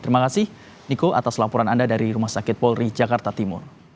terima kasih niko atas laporan anda dari rumah sakit polri jakarta timur